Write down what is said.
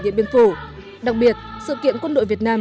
điện biên phủ đặc biệt sự kiện quân đội việt nam